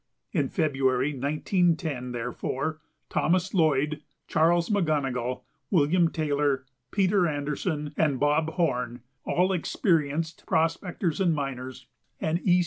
In February 1910, therefore, Thomas Lloyd, Charles McGonogill, William Taylor, Peter Anderson, and Bob Horne, all experienced prospectors and miners, and E.